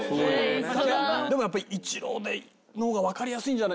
でもやっぱりイチローのほうが分かりやすいんじゃない？